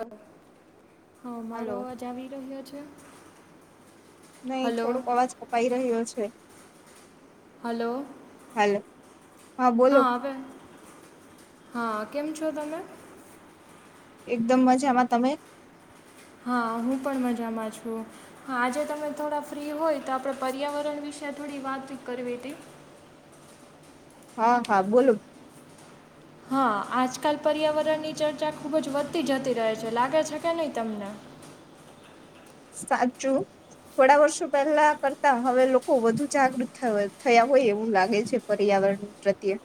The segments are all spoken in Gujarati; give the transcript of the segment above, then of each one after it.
અ હ મારો હાલો અવાજ આવી રહ્યો છે? નહી હલો થોડોક અવાજ કપાઈ રહ્યો છે. હલો, હાલ હા હવે હા કેમ છો તમે? એકદમ મજામાં તમે હા, હું પણ મજામાં છું. હા, આજે તમે થોડા ફ્રી હોય, તો આપડે પર્યાવરણ વિશે થોડી વાતચીત કરવી હતી. હા, હા, બોલો હા, આજકાલ પર્યાવરણની ચર્ચા ખૂબજ વધતી જતી રહે છે, લાગે છે કે ની તમને સાચું થોડા વર્ષો પહેલા કરતા હવે લોકો વધુ જાગૃત થવ થયા હોય એવું લાગે છે, પર્યાવરણ પ્રત્યે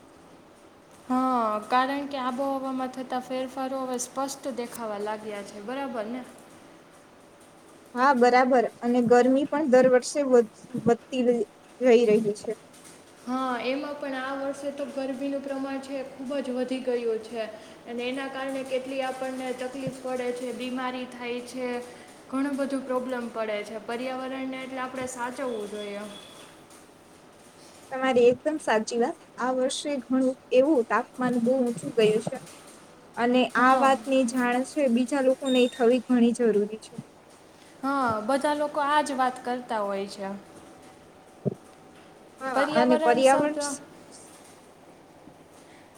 હા, કારણકે આ બો હવામાં થતા ફેરફારો હવે સ્પષ્ટ દેખાવા લાગ્યા છે, બરાબર ને? હા, બરાબર અને ગરમી પણ દર વર્ષે વધ વધતી રહી રહી રહી છે. હા, એમાં પણ આ વર્ષે તો ગરમીનું પ્રમાણ છે ખુબજ વધી ગયું છે અને એના કારણે કેટલી આપણને તકલીફ પડે છે, બીમારી થાય છે, ઘણું બધું પ્રોબ્લેમ પડે છે, પર્યાવરણને એટલે આપણે સાચવવું જોઈએ. તમારી એકદમ સાચી વાત, આ વર્ષે ઘણું એવું તાપમાન બહુ ઊંચું ગયું છે. અને આ હા વાતની જાણ ને બીજા લોકોને એ થવી ઘણી જરૂરી છે. હા, બધા લોકો આજ વાત કરતા હોય છે. હા અને પર્યાવરણ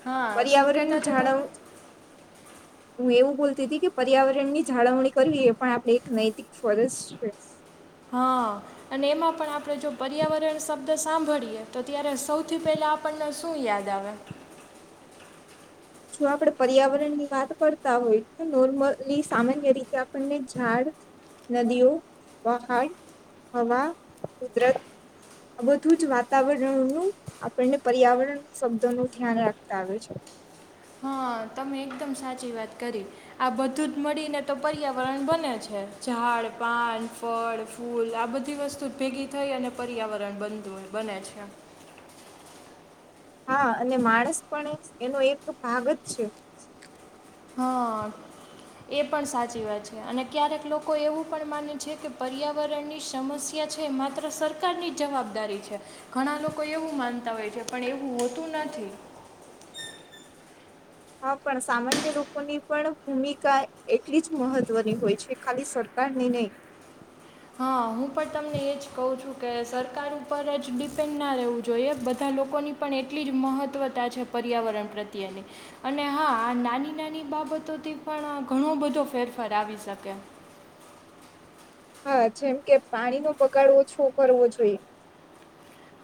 હા, શું કેતા પર્યાવરણનું હતા જાળવ તમે? હું એવું બોલતી હતી કે પર્યાવરણની જાળવણી કરવી એ પણ આપણે એક નૈતિક ફરજ છે. હા અને એમાં પણ આપણે જો પર્યાવરણ શબ્દ સાંભળીએ તો ત્યારે સૌથી પહેલા આપણને શું યાદ આવે જો આપડે પર્યાવરણની વાત કરતા હોય, તો નોર્મલી સામાન્ય રીતે આપણને ઝાડ, નદીઓ, પહાડ, હવા, કુદરત, આ બધુંજ વાતાવરણનું આપણને પર્યાવરણ શબ્દોનું ધ્યાન રાખતા આવે છે. હા, તમે એકદમ સાચી વાત કરી આ બધુંજ મળીને તો પર્યાવરણ બને છે. ઝાડ, પાન, ફળ, ફૂલ, આ બધી વસ્તુજ ભેગી થઈ અને પર્યાવરણ બનતું બને છે. હા, અને માણસ પણ એનો એક ભાગજ છે. હા, એ પણ સાચી વાત છે અને ક્યારેક લોકો એવું પણ માને છે કે પર્યાવરણની સમસ્યા છે, માત્ર સરકારની જવાબદારી છે, ઘણા લોકો એવું માનતા હોય છે પણ એવું હોતું નથી હા, પણ સામાન્ય લોકોની પણ ભૂમિકા એટલી જ મહત્વની હોય છે, ખાલી સરકારને નય હા, હું પણ તમને એજ કહું છું. કે સરકાર ઉપર જ ડિપેન્ડ ના રહેવું જોઈએ, બધા લોકોની પણ એટલી જ મહત્ત્વતા છે પર્યાવરણ પ્રત્યેની અને હા, આ નાની નાની બાબતોથી પણ ઘણો બધો ફેરફાર આવી શકે હા, જેમ કે પાણીનો બગાડ ઓછો કરવો જોઈએ.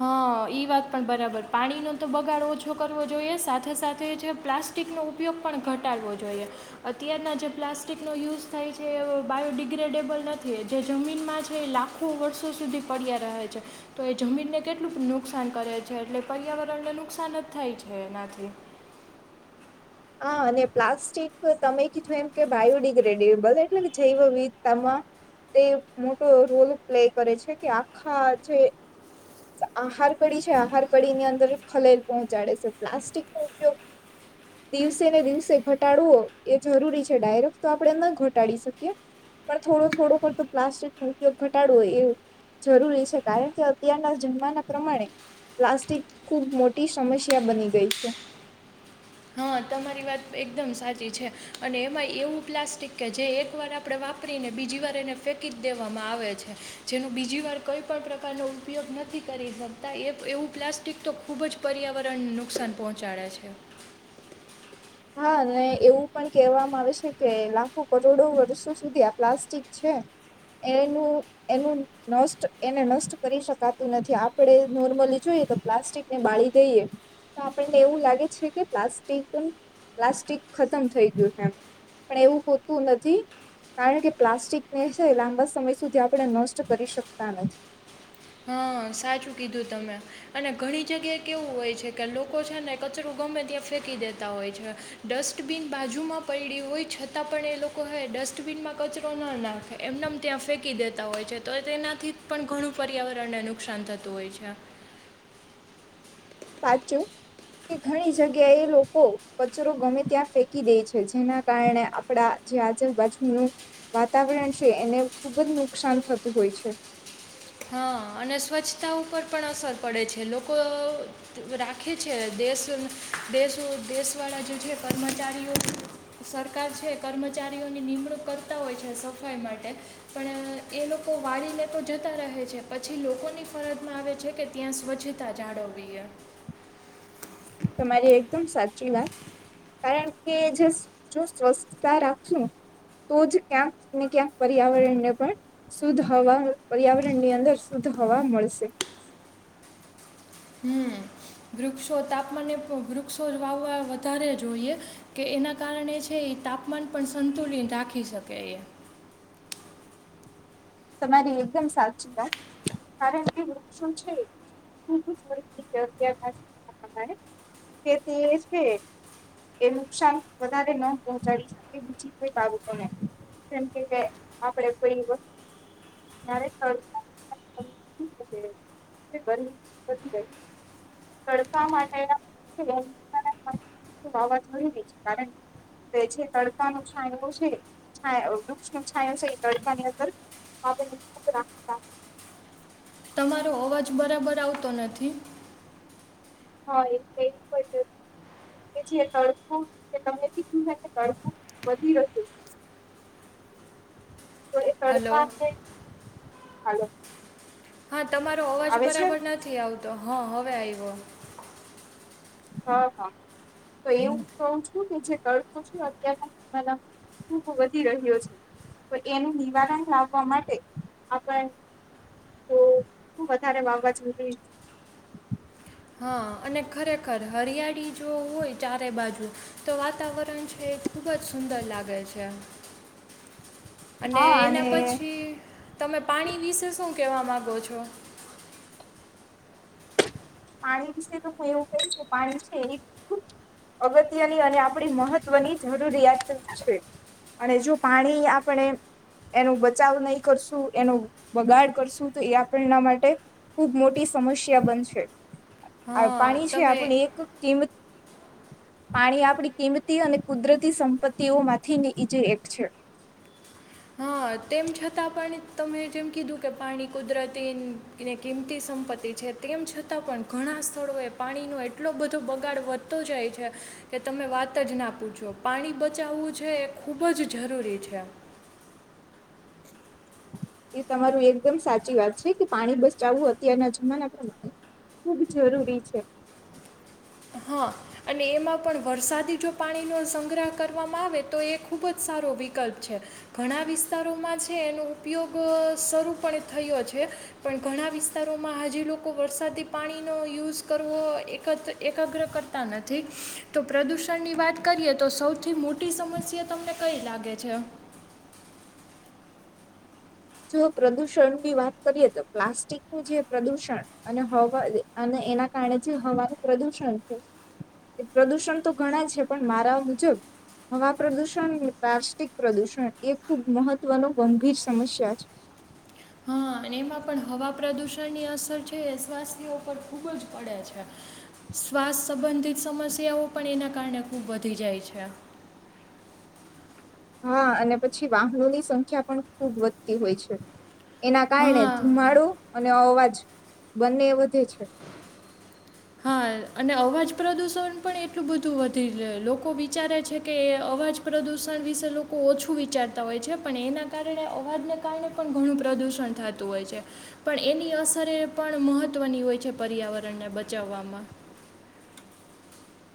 હા, ઈ વાત પણ બરાબર, પાણીનો તો બગાડ ઓછો કરવો જોઈએ સાથે સાથે જે પ્લાસ્ટિકનો ઉપયોગ પણ ઘટાડવો જોઈએ. અત્યારના જે પ્લાસ્ટિકનો યુઝ થાય છે, એ બાયોડિગ્રેડેબલ નથી જે જમીનમાં છે એ લાખો વર્ષો સુધી પડ્યા રહે છે, તો એ જમીનને કેટલુંક નુકસાન કરે છે, એટલે પર્યાવરણને નુકસાન જ થાય છે એનાથી હા, અને પ્લાસ્ટિક તમે કીધું એમ કે બાયોડિગ્રેડેબલ, એટલે કે જૈવવિધતામાં તે મોટો રોલ પ્લે કરે છે કે આખા જે આહાર કડી છે, આહાર કડીની અંદર ખલેલ પહોંચાડે છે. પ્લાસ્ટિકનો ઉપયોગ દિવસે ને દિવસે ઘટાડવો એ જરૂરી છે. ડાયરેક્ટ તો આપડે ન ઘટાડી શકીએ, પણ થોડો થોડો કરતો પ્લાસ્ટિકનો ઉપયોગ ઘટાડવોએ એવું જરૂરી છે, કારણ કે અત્યારના જમવાના પ્રમાણે પ્લાસ્ટિક ખૂબ મોટી સમસ્યા બની ગઈ છે. હા, તમારી વાત એકદમ સાચી છે અને એમાં એવું પ્લાસ્ટિક કે જે એકવાર આપડે વાપરીને બીજી વાર એને ફેંકી જ દેવામાં આવે છે, જેનું બીજીવાર કંઈપણ પ્રકારનો ઉપયોગ નથી કરી શકતા એપ એવું પ્લાસ્ટિક તો ખૂબજ પર્યાવરણને નુકસાન પહોંચાડે છે. હા, અહ એવું પણ કેહેવામાં આવે છે કે લાખો કરોડો વર્ષો સુધી આ પ્લાસ્ટિક છે એનું એનું નષ્ટ એને નષ્ટ કરી શકાતું નથી. આપડે નોર્મલી જોઈએ તો પ્લાસ્ટિકને બાળી દઈએ, તો આપણને એવું લાગે છે કે પ્લાસ્ટિક પ્લાસ્ટિક ખતમ થઈ ગયું છે એમ, પણ એવું હોતું નથી કારણકે પ્લાસ્ટિકને છેને લાંબા સમય સુધી આપણે નષ્ટ કરી શકતા નથી. હા, સાચું કીધું તમે અને ઘણી જગ્યાએ કેવું હોય છે કે લોકો છે ને કચરો ગમે ત્યાં ફેંકી દેતા હોય છે. ડસ્ટબિન બાજુમાં પયડી હોય છતાં પણ એ લોકો હે ડસ્ટબિનમાં કચરો ના નાખે એમને એમ ત્યાં ફેંકી દેતા હોય છે, તોએ તેનાથી પણ ઘણું પર્યાવરણને નુકસાન થતું હોય છે. સાચું કે ઘણી જગ્યાએ લોકો કચરો ગમે ત્યાં ફેંકી દે છે, જેના કારણે આપણા જે આજુબાજુનું વાતાવરણ છે એને ખૂબ જ નુકસાન થતું હોય છે. હા, અને સ્વચ્છતા ઉપર પણ અસર પડે છે. લોકો રાખે છે, દેશ દેશ દેશવાળા જે છે કર્મચારીઓ, સરકાર છે કર્મચારીઓની નિમણૂક કરતા હોય છે સફાઈ માટે, પણ એ લોકો વાળ લે તો જ રહે છે પછી લોકોની ફરજમાં આવે છે કે ત્યાં સ્વચ્છતા જાળવવીએ તમારી એકદમ સાચી વાત કારણકે જે જો સ્વચ્થતા રાખશું, તોજ ક્યાંક ને ક્યાંક પર્યાવરણને પણ શુદ્ધ હવા પર્યાવરણની અંદર શુદ્ધ હવા મળશે. હમ્મ, વૃક્ષો તાપમાન વૃક્ષો વાવવા વધારે જોઈએ, કે એના કારણે છે એ તાપમાન પણ સંતુલિત રાખી શકે એ. તમારી એકદમ સાચી વાત કારણકે વૃક્ષ છે [unintelligible] જરૂરી છે અત્યાર કે તે છે એ નુકસાન વધારે ન પહોંચાડી શકે બીજી કોઈ બાબતોને જેમ કે આપણે [inaudible] [unintelligible] તમારો અવાજ બરાબર આવતો નથી. [unintelligible] હલો [unintelligible] હાલો. હા. તમારો અવાજ આવે છે બરાબર નથી આવતો. તો હં હવે આવ્યો. હ હા તો એવું કું છું કે જે તડકો છે અત્યારના જમાનામાં ખૂબ વધી રહ્યો છે તો એનું નિવારણ લાવવા માટે આપણ તો ખ વધારે વાવવા જરૂરી છે. હા અને ખરેખર હરિયાળી જો હોય ચારે બાજુ તો વાતાવરણ છે એ ખૂબ જ સુંદર લાગે છે. અને એના પછી તમે પાણી વિસશો શું શું કહેવા માગો છો. પાણી વિશે તો હું એવું કહીશ કે પાણી છે એ ખૂબ અગત્યની અને આપણી મહત્વની જરૂરિયાત છે અને જો પાણી આપણે એનો બચાવ નહી કરશું એનો બગાડ કરશું તો એ આપણના માટે ખૂબ મોટી સમસ્યા બનશે. આ હા પાણી છે તમે આપણે એક કિંમત પાણી આપણી કિંમતી અને કુદરતી સંપત્તિઓમાંથી ઈજે એક છે. હા તેમ છતાં પણ તમે જેમ કીધું કે પાણી કુદરતીને કિંમતી સંપત્તિ છે તેમ છતાં પણ ઘણાં સ્થળોએ પાણીનો એટલો બધો બગાડ વધતો જાય છે કે તમે વાત જ ના પૂછો પાણી બચાવવું છે એ ખૂબ જ જરૂરી છે. એ તમારું એકદમ સાચી વાત છે કે પાણી બચાવવું અત્યારના જમાના પ્રમાણે ખુબ જરૂરી છે. હા અને એમાં પણ વરસાદી જો પાણીનો સંગ્રહ કરવામાં આવે તો એ ખૂબ જ સારો વિકલ્પ છે ઘણા વિસ્તારોમાં છે એનો ઉપયોગ શરૂપ થયો છે પણ ઘણા વિસ્તારોમાં હજી લોકો વરસાદી પાણીનો યુઝ કરવો એક જ એકગ્ર કરતા નથી તો પ્રદુષણની વાત કરીએ તો સૌથી મોટી સમસ્યા તમને કઈ લાગે છે. જો પ્રદુષણની વાત કરીએ તો પ્લાસ્ટિકનું જે પ્રદુષણ અને હવા અને એના કારણે જે હવાનું પ્રદુષણ છે પ્રદુષણ તો ઘણા છે પણ મારા મુજબ હવા પ્રદુષણ પ્લાસ્ટિક પ્રદુષણ એ ખુબ મહત્વનું ગંભીર સમસ્યા છે. હા [inaudible] અને એમાં પણ હવા પ્રદૂષણની અસર છે એ સ્વાસ્થ્યઓ પર ખૂબ જ પડે છે શ્વાસ સંબંધિત સમસ્યાઓ પણ એના કારણે ખૂબ વધી જાય છે. હા અને પછી વાહનોની સંખ્યા પણ ખૂબ વધતી હોય છે. એના કારણે હા ધુંમાડું અને અવાજ બંને વધે છે. હા અને અવાજ પ્રદૂષણ પણ એટલું બધું વધી રહ લોકો વિચારે છે કે અવાજ પ્રદુષણ વિશે લોકો ઓછું વિચારતા હોય છે પણ એના કારણે અવાજને કારણે પણ ઘણું પ્રદૂષણ થતું હોય છે પણ એની અસરે એ પણ મહત્ત્વની હોય છે પર્યાવરણને બતાવવામાં.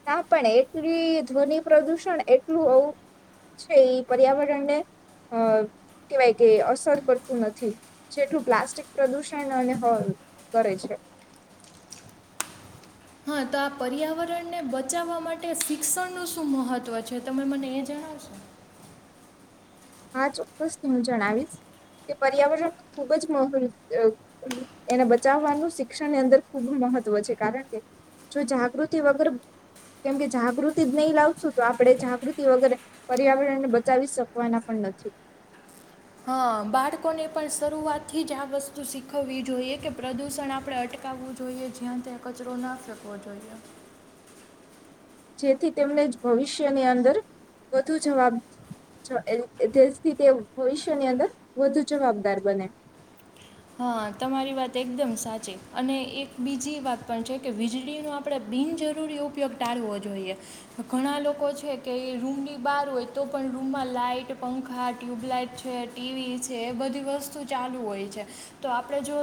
ના પણ એટલી ધ્વનિ પ્રદૂષણ એટલું છે એ પર્યાવરણને અ કેહેવાય કે અસર કરતું નથી જેટલું પ્લાસ્ટિક પ્રદૂષણ અને કરે છે. હા તો આ પર્યાવરણને બચાવવા માટે શિક્ષણનુંું શું મહત્ત્વ છે તમે મને એ જણાવશો. હા ચોક્કસથી હું જણાવીશ કે પર્યાવરણ ખુબ જ મહ એને બચાવવાનું શિક્ષણ ની અંદર ખૂબ મહત્વ છે કારણ કે જો જાગૃતિ વગર કેમકે જાગૃતિ જ નહી લાવશું તો આપણેે જાગૃતિ વગર પર્યાવરણને બચાવી શકવાના. [unintelligible] હા બાળકોને પણ શરૂઆત થી જ આ વસ્તુ શીખવવી જોઈએ કે પ્રદુષણ આપણે અટકાવવું જોઈએ જ્યાં ત્યાં કચરો ના ફેકવો જોઈએ એમ. જેથી તેમને ભવિષ્યની અંદર વધુ જવાબ તેથી તે ભવિષ્યની અંદર વધુ જવાબદાર બને. હા તમારી વાત એકદમ સાચી અને એક બીજી વાત પણ છે કે વીજળીનો આપણે બિનજરૂરી ઉપયોગ ટાળવો જોઈએ ઘણા લોકો છે કે રૂમની બહાર હોય તો પણ રૂમમાં લાાઈટ પંખા ટ્યુબલાઇટ છે ટીવી છે એ બધી વસ્તુ ચાલુ હોય છે. તો આપણે જો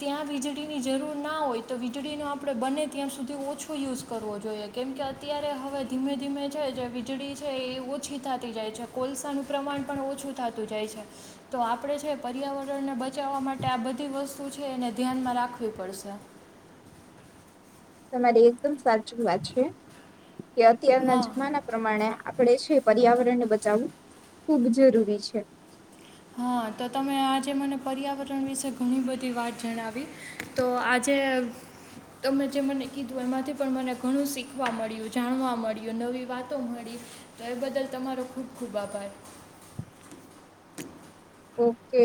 ત્યાં વીજળીની જરૂર ના હોય તો વીજળીનો આપણે બને ત્યાં સુધી ઓછો યુઝ કરવો જોઈએ કેમકે અત્યારે હવે ધીમે ધીમે છે જે વીજળી છે એ ઓછી થતી જાય છે કોલસાનું પ્રમાણ પણ ઓછું થતું જાય છે તો આપણે છે પર્યાવરણના બ બચાવવા માટે આ બધી વસ્તુ છે એને ધ્યાનમાં રાખવી પડશે. તમારી એકદમ સાચું વાત છે. કે અત્યારના હા જમાના પ્રમાણે ડે છે પર્યાવરણને બચાવવું ખૂબ જરૂરી છે. હા તો તમે આજે મને પર્યાવરણ વિશે ઘણી બધી વાત જણાવી તો આજે તમે જે મને કીધું એમાંથી પણ મને ઘણું શીખવા મળ્યું જાણવા મળ્યું નવી વાતો મળી તો એ બદલ તમારો ખૂબ ખુબ આભાર ઓકે